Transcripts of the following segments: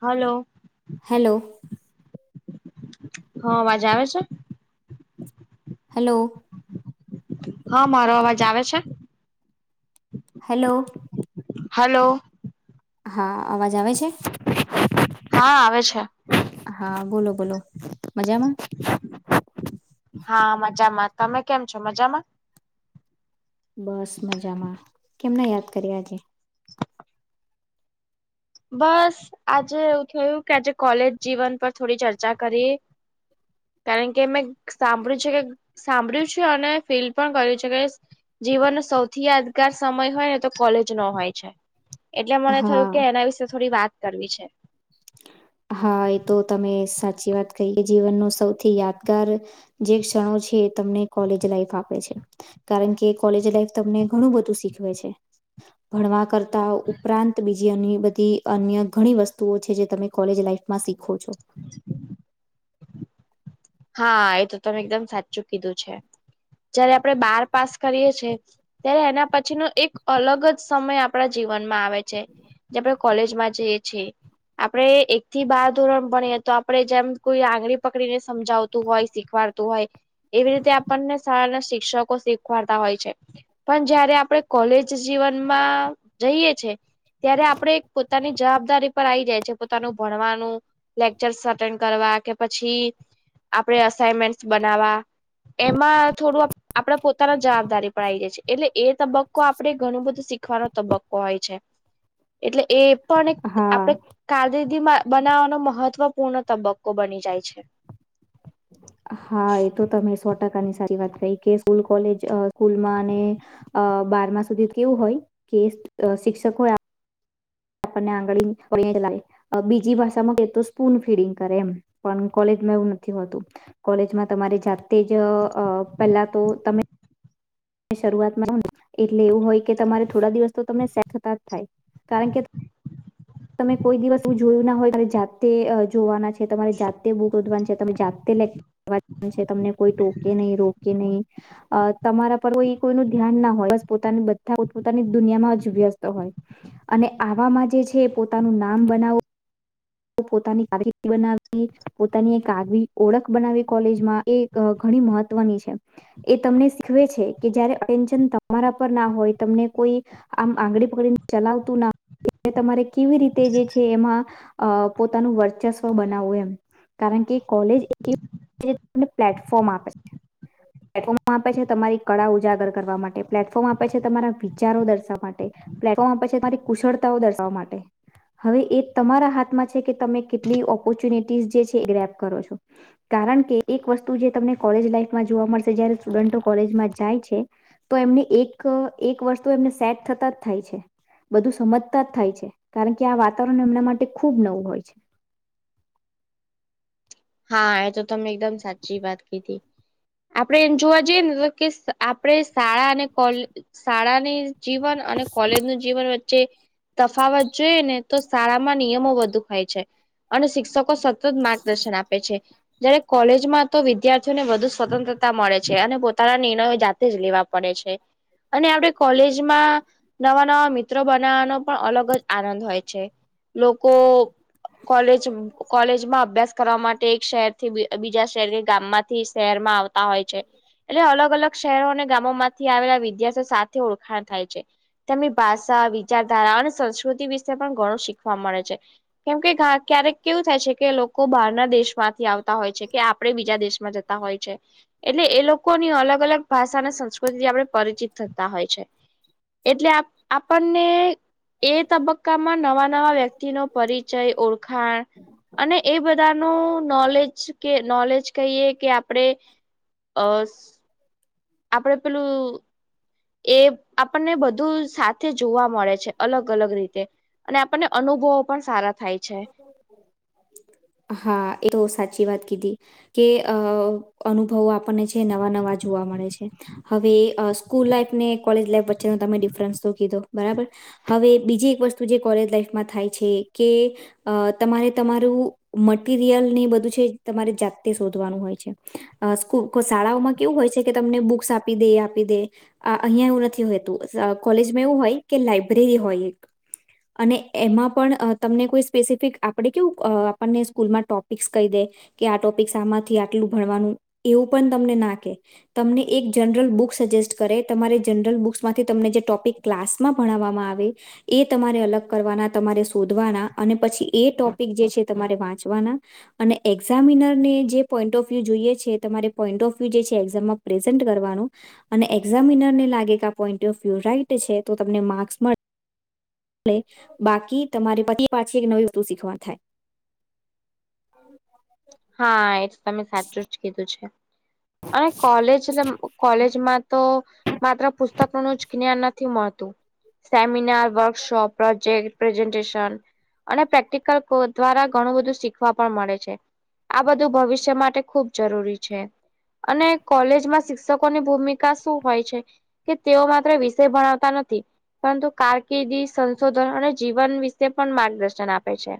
Hello. Hello. હ અવાજ આવે છે. હલો હા મારો અવાજ આવે છે. હેલો હલો હા અવાજ આવે છે. હા આવે છે. હા બોલો બોલો મજામાં હા મજામાં તમે કેમ છો મજામાં. બસ મજામાં કેમને યાદ કર્યા આજે. બસ આજે એવું થયું કે આજે કોલેજ જીવન પર થોડી ચર્ચા કરીએ કારણ કે મેં સાંભળ્યું છે કે સાંભળ્યું છે અને ફીલ પણ કર્યું છે કે. જીવનનો સૌથી યાદગાર સમય હોય ને તો કોલેજ નો હોય છે. એટલે મને થયું કે હા એના વિશે થોડી વાત કરવી છે. હા એ તો તમે સાચી વાત કહી કે જીવનનો સૌથી યાદગાર જે ક્ષણો છે એ તમને કોલેજ લાઈફ આપે છે. કારણ કે કોલેજ લાઈફ તમને ઘણું બધું શીખવે છે ભણવા [unintelligible] ઉપરાંત બીજી બધી અન્ય ઘણી વસ્તુઓ છે જે તમે કોલેજ લાઈફમાં શીખો છો. હા એ તો તમે એકદમ સાચું કીધું છે જયારે આપડે બાર પાસ કરીયે છે. ત્યારે એના પછીનો એક અલગ જ સમય આપણા જીવનમાં આવે છે. જે આપણે કોલેજમાં જઈએ છીએ એ. આપણે એક થી બાર ધોરણ ભણીએ તો આપડે જેમ કોઈ આંગળી પકડીને સમજાવતું હોય શીખવાડતું હોય એવી રીતે આપણને શાળા ના શિક્ષકો [unintelligible] વાડતા હોય છે પણ જયારે આપણે કોલેજ જીવનમાં જઈએ છે. ત્યારે આપડે પોતાની જવાબદારી પર આવી જાય છે પોતાનું ભણવાનું. લેક્ચર્સ એટેન્ડ કરવા કે પછી. આપડે અસાઈનમેન્ટ બનાવવા એમાં થોડું આપણે પોતાના જવાબદારી પણ આવી જાય છે એટલે એ તબક્કો આપણે ઘણું બધું શીખવાનો તબક્કો હોય છે. એટલે એ પણ એક હા આપડ કારકિર્દી બનાવવાનો મહત્વપૂર્ણ તબક્કો બની જાય છે. હા એ તો તમે સો ટકાની સારી વાત કરી કે સ્કૂલ કોલેજ સ્કૂલમાં અને અ બારમા સુધી કેવું હોય કે શિક્ષકો હોય. આપને [unintelligible] ચલાઈ. બીજી ભાષામાં કહે તો સ્પૂન ફીડિંગ કરે એમ પણ કોલેજમાં એવું નથી હોતું. કોલેજમાં તમારે જાતે જ પેલા તો તમે શરૂઆતમાંને એટલે એવું હોય કે તમારે થોડા દિવસ તો તમને સેટ થતા જ થાય. કારણ કે તમે કોઈ દિવસ એવું જોયું ના હોય તમે જાતે જોવાના છે. તમારે જાતે બુક શોધવાની છે તમે જાતે લેક્ચર [unintelligible] તમને કોઈ ટોકે નહીં રોકે નહીં. કે નહી તમારા [unintelligible] એહું પણ મજામાં કોઈનું ધ્યાન ના હોય બસ. પોતાની બધા પોતાની દુનિયામાં જ વ્યસ્ત હોય. અને આવામાં જે છે પોતાનું નામ બનાવવું. પોતાની કારકીર્દિ બનાવી પોતાની એક આગવી ઓળખ બનાવી કોલેજમાં એ. અ ઘણી મહત્વની છે. એ તમને શીખવે છે કે જયારે અટેન્શન તમારા પર ના હોય તમને કોઈ. આમ આંગળી પકડીને ચલાવતું ના તમારે કેવી રીતે જે છે એમાં અ પોતાનું વર્ચસ્વ બનાવવું એમ કારણ કે કોલેજને પ્લેટફોર્મ આપે છે પ્લેટફોર્મ આપે છે તમારી કળા ઉજાગર કરવા માટે પ્લેટફોર્મ આપે છે તમારા વિચારો દર્શાવવા માટે પ્લેટફોર્મ પછી તમારી કુશળતાઓ દર્શાવવા માટે હવે એ તમારા હાથમાં છે કે તમે કેટલી ઓપોર્ચ્યુનિટીસ જે છે એ ગ્રેપ કરો છો કારણ કે એક વસ્તુ જે તમને કોલેજ લાઈફમાં જોવા મળશે જયારે સ્ટુડન્ટો કોલેજમાં જાય છે તો એમને એક એક વર્ષ તો એમને સેટ થતા જ થાય છે બધું સમજતાર [unintelligible] થાય છે કારણ કે આ વાતાવરણ એમના માટે ખુબ નવું હોય છે હા એ તો તમે એકદમ સાચી વાત કીધી આપડે એમ જોવા જઈએ ને તો કે આપણે શાળા અને કોલે શાળાની જીવન અને કોલેજનું જીવન વચ્ચે તફાવત જોઈએ ને તો શાળામાં નિયમો વધુ ખાય છે અને શિક્ષકો સતત માર્ગદર્શન આપે છે જયારે કોલેજમાં તો વિદ્યાર્થીઓને વધુ સ્વતંત્રતા મળે છે અને પોતાના નિર્ણયો જાતે જ લેવા પડે છે અને આપણે કોલેજમાં નવા નવા મિત્રો બનાવવાનો પણ અલગ જ આનંદ હોય છે લોકો કોલેજ કોલેજમાં અભ્યાસ કરવા માટે એક શહેર થી બીજા શહેર ગામમાંથી શહેરમાંતા હોય છે એટલે અલગ અલગ શહેરો અને ગામોમાંથી આવેલા વિદ્યાર્થી સાથે ઓળખાણ થાય છે તેમની ભાષા વિચારધારા અને સંસ્કૃતિ વિશે પણ ઘણું શીખવા મળે છે કેમ કે ક્યારેક કેવું થાય છે કે લોકો બહારના દેશ માંથી આવતા હોય છે કે આપણે બીજા દેશમાં જતા હોય છે એટલે એ લોકોની અલગ અલગ ભાષા અને સંસ્કૃતિથી આપણે પરિચિત થતા હોય છે એટલે આપણને એ તબક્કામાં નવા વ્યક્તિનો પરિચય અને ઓળખાણ બધા ન નોલેજ નોલેજ કહીએ કે આપડે અ આપડે પેલું એ આપણને બધું સાથે જોવા મળે છે અલગ અલગ રીતે અને આપણને અનુભવો પણ સારા થાય છે હા એ તો સાચી વાત કીધી કે અ અનુભવો આપણને જે નવા નવા જોવા મળે છે હવે સ્કૂલ લાઈફ ને કોલેજ લાઈફ વચ્ચેનો તમે ડિફરન્સ તો કીધો બરાબર હવે બીજી એક વસ્તુ જે કોલેજ લાઈફમાં થાય છે કે અ તમારે તમારું મટરિયલ ને બધું છે તમારે જાતે શોધવાનું હોય છે સ્કૂલ શાળાઓમાં કેવું હોય છે કે તમને બુક્સ આપી દે આપી દે અ અહિયાં એવું નથી હોયતું કોલેજમાં એવું હોય કે લાઈબ્રેરી હોય અને એમાં પણ તમને કોઈ સ્પેસિફિક આપડે કેવું આપણને સ્કૂલમાં ટોપિક્સ કહી દે કે આ ટોપિક આમાંથી આટલું ભણવાનું એવું પણ તમને ના કે તમને એક જનરલ બુક સજેસ્ટ કરે તમારે જનરલ બુક્સમાંથી તમને જે ટોપિક ક્લાસમાં ભણાવવામાં આવે એ તમારે અલગ કરવાના તમારે શોધવાના અને પછી એ ટોપિક જે છે તમારે વાંચવાના અને એક્ઝામિનર ને જે પોઈન્ટ ઓફ વ્યુ જોઈએ છે તમારે પોઈન્ટ ઓફ વ્યુ જે છે એક્ઝામમાં પ્રેઝન્ટ કરવાનું અને એક્ઝામિનર ને લાગે કે આ પોઈન્ટ ઓફ વ્યુ રાઈટ છે તો તમને માર્ક્સ મળે બાકી તમારે પાછી એક નવી વસ્તુ શીખવા થાય હા એ તમે સાચું જ કીધું છે. અને કોલેજ કોલેજમાં તો માત્ર પુસ્તકોનું જ જ્ઞાન નથી મળતું. Seminar workshop, project presentation. અને પ્રેક્ટિકલ કોર્સ દ્વારા ઘણું બધું શીખવા પણ મળે છે. આ બધું ભવિષ્ય માટે ખૂબ જરૂરી છે. અને કોલેજમાં શિક્ષકોની ભૂમિકા શું હોય છે? કે તેઓ માત્ર વિષય ભણાવતા નથી. પરંતુ કારકિર્દી સંશોધન અને જીવન વિશે પણ માર્ગદર્શન આપે છે.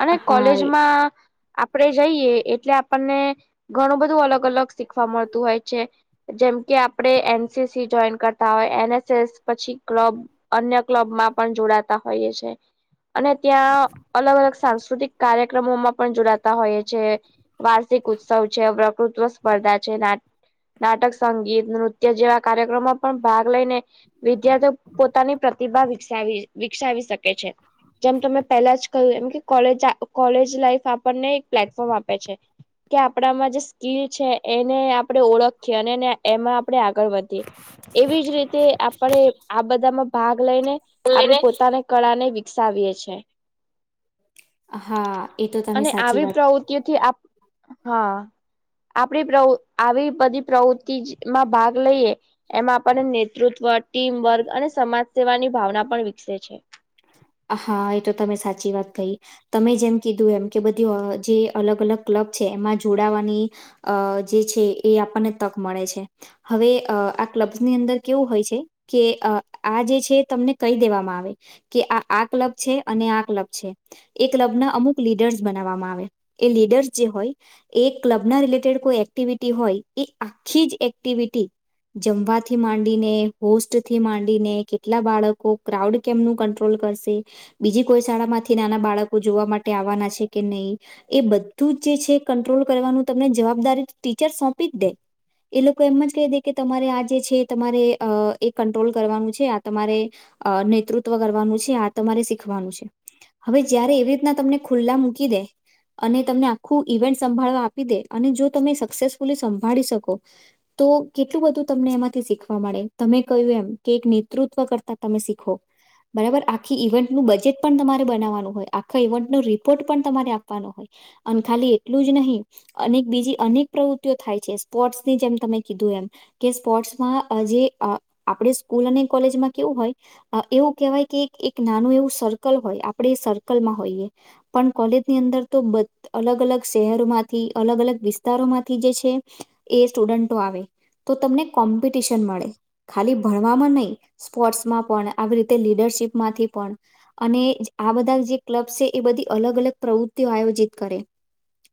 અને હા કોલેજ માં, આપડે જઈએ એટલે આપણને ઘણું બધું અલગ અલગ શીખવા મળતું હોય છે. જેમ કે આપડે એનસીસી જોઈન કરતા હોય એન. એસ. એસ. પછી ક્લબ. અન્ય ક્લબ માં પણ જોડાતા હોઈએ છે અને ત્યાં અલગ અલગ સાંસ્કૃતિક કાર્યક્રમોમાં પણ જોડાતા હોય છે. વાર્ષિક ઉત્સવ છે વ્રકૃત્વ સ્પર્ધા છે નાટક, સંગીત, નૃત્ય જેવા કાર્યક્રમમાં પણ ભાગ લઈને, વિદ્યાર્થીઓ પોતાની પ્રતિભા વિકસાવી વિકસાવી શકે છે. જેમ તમે પહેલા જ કહ્યું એમ કે કોલેજ લાઈફ આપણને એક પ્લેટફોર્મ આપે છે. કે આપણામાં જે સ્કીલ છે એને આપણે ઓળખીએ અને એને એમાં આપણે આગળ વધીએ એવી જ રીતે આપણે આ બધામાં ભાગ લઈને, આપડે એ પોતાની કળા ને વિકસાવીએ છીએ, હાઆ અને આવી પ્રવૃત્તિઓથી આપ હાઆ આપણી આવી બધી પ્રવૃત્તિ માં ભાગ લઈએ. એમાં આપણને નેતૃત્વ ટીમ વર્ક અને સમાજ સેવાની ભાવના પણ વિકસે છે. હા એ તો તમે સાચી વાત કહી. તમે જેમ કીધું એમ કે બધી જે અલગ અલગ ક્લબ છે એમાં જોડાવાની, અ જે છે એ આપણને તક મળે છે. હવે આ ક્લબ્સ ની અંદર કેવું હોય છે? કે આ જે છે તમને કહી દેવામાં આવે કે આ આ કલબ છે અને આ કલબ છે. એ ક્લબ ના અમુક લીડર્સ બનાવવામાં આવે એ લીડર્સ જે હોય, એ ક્લબ ના રિલેટેડ કોઈ એક્ટિવિટી હોય એ આખી જ એક્ટિવિટી, જમવાથી માંડીને હોસ્ટ થી માંડીને કેટલા બાળકો ક્રાઉડ કેમનું કંટ્રોલ કરશે? બીજી કોઈ શાળા માંથી નાના બાળકો જોવા માટે આવવાના છે કે નહી? એ બધું જે છે કંટ્રોલ કરવાનું તમને જવાબદારી ટીચર સોંપી જ દે. એ લોકો એમ જ કહી દે કે તમારે આ જે છે તમારે એ કંટ્રોલ કરવાનું છે આ તમારે, અ નેતૃત્વ કરવાનું છે આ તમારે શીખવાનું છે. હવે જયારે એવી રીતના તમને ખુલ્લા મૂકી દે, અને તમને આખું ઇવેન્ટ સંભાળવા આપી દે અને જો તમે સક્સેસફુલી સંભાળી શકો, તો કેટલું બધું તમને એમાંથી શીખવા મળે તમે કહ્યું એમ કે એક નેતૃત્વ કરતા તમે શીખો. બરાબર. આ. આખી ઇવેન્ટનું બજેટ પણ તમારે બનાવવાનું હોય આખા ઇવેન્ટનો રિપોર્ટ પણ તમારે આપવાનો હોય, અને ખાલી એટલું જ નહી, અનેક બીજી અનેક પ્રવૃત્તિઓ થાય છે સ્પોર્ટ્સની જેમ તમે કીધું એમ. કે સ્પોર્ટ્સમાં અ જે આ આપણે સ્કૂલ અને કોલેજમાં કેવું હોય. આ એવું કહેવાય કે એક એક નાનું એવું સર્કલ હોય આપણે એ સર્કલમાં હોઈએ. પણ કોલેજની અંદર તો બ અલગ અલગ શહેરોમાંથી અલગ અલગ વિસ્તારોમાંથી જે છે. એ સ્ટુડન્ટો આવે તો તમને કોમ્પિટિશન મળે ખાલી ભણવામાં નહી સ્પોર્ટ્સમાં પણ આવી રીતે લીડરશીપ માંથી પણ અને આ બધા જે ક્લબ્ છે, એ બધી અલગ અલગ પ્રવૃતિઓ આયોજિત કરે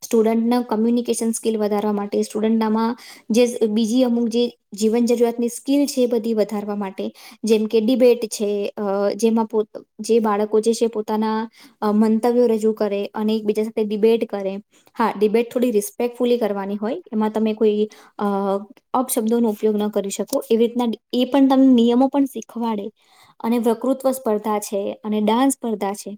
સ્ટુડન્ટના કમ્યુનિકેશન સ્કીિલ વધારવા માટે સ્ટુડન્ટનામાં જે બીજી અમુક જે જીવન જરૂરિયાતની સ્કીિલ છે, એ બધી વધારવા માટે જેમ કે ડિબેટ છે, અ જેમાં પો જે બાળકો જે છે, પોતાના અ મંતવ્યો રજૂ કરે અને એકબીજા સાથે ડિબેટ કરે હા ડિબેટ થોડી રિસ્પેક્ટફુલી કરવાની હોય એમાં તમે કોઈ અ અપશબ્દોનો ઉપયોગ ન કરી શકો એવી રીતના એ પણ તને નિયમો પણ શીખવાડે અને વકૃત્વ સ્પર્ધા છે, અને ડાન્સ સ્પર્ધા છે.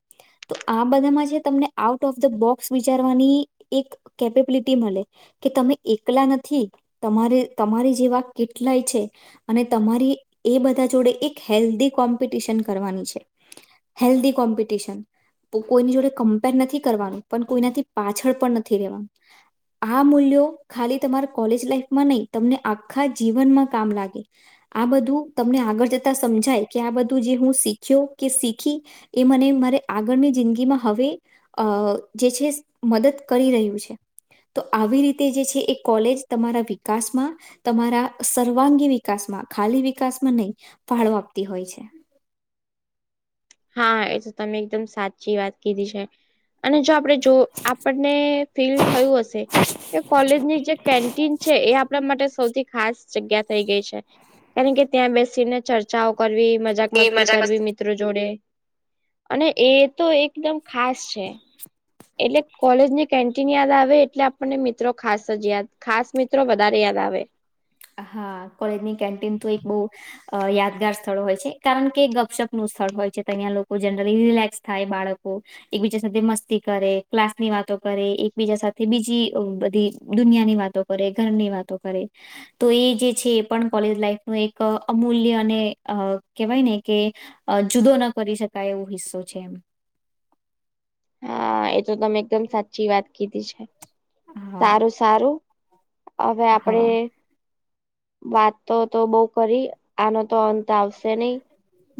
તો આ બધામાં જે તમને આઉટ ઓફ ધ બોક્સ વિચારવાની એક કેપેબિલિટી મલે કે તમે એકલા નથી તમારે તમારે જેવા કેટલાય છે. અને તમારી એ બધા જોડે એક હેલ્ધી કોમ્પિટિશન કરવાની છે. Healthy competition. કોઈની જોડે કમ્પેર નથી કરવાનું પણ કોઈનાથી પાછળ પણ નથી રહેેવાનું. હા મૂલ્યો ખાલી તમારા કોલેજ લાઈફમાં નહી તમને આખા જીવનમાં કામ લાગે આ બધું તમને આગળ જતા સમજાય કે આ બધું જે હું શીખ્યો કે શીખી એ મને મારે આગળની જિંદગીમાં હવે અ જે છે, મદદ કરી રહ્યું છે. તો આવી રીતે જે છે, એ કોલેજ તમારા વિકાસમાં તમારા સર્વાંગી વિકાસમાં ખાલી વિકાસમાં નહી ફાળો આપતી હોય છે. હા એ તો તમે એકદમ સાચી વાત કીધી છે. અને જો આપણે જો આપણને ફીલ થયું હશે કે કોલેજની જે કેન્ટીન છે, એ આપણા માટે સૌથી ખાસ જગ્યા થઈ ગઈ છે, કારણ કે ત્યાં બેસીને ચર્ચાઓ કરવી, મજાક એ મસ્તી મજા કરવી, મસ્ત મિ ત્ર જોડે. અને એ તો એકદમ ખાસ છે. એટલે કોલેજની કેન્ટીન યાદ આવે એટલે આપણને મિત્રો ખાસ જ યાદ ખાસ મિત્રો વધારે યાદ આવે. હા કોલેજની કેન્ટીન તો એક બઉ અ યાદગાર સ્થળ હોય છે, કારણ કે ગપશપનું સ્થળ હોય છે, અહીં લોકો જનરલી રિલેક્સ થાય બાળકો એકબીજા સાથે મસ્તી કરે ક્લાસની વાતો કરે એકબીજા સાથે બીજી બધી દુનિયાની વાતો કરે ઘરની વાતો કરે તો એ જે છે, એ પણ કોલેજ લાાઈફનુ એક અમૂલ્ય અને કેહેવાય ને કે અ જુદો ન કરી શકાય એવો હિસ્સો છે, એમ હા એ તો તમે એકદમ સાચી વાત કીધી છે. હા સારું સારું અવે આપડે હા વાત તો તો બો કરી આનો તો અંત આવશે નહી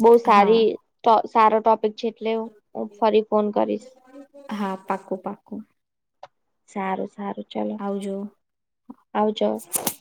બો હા સારી ટો સારો ટોપિક છે, એટલે હુ હું ફરી ફોન કરીશ. હા પાકું પાકું સારું સારું ચાલો. આવજો. આવજો. [inaudible]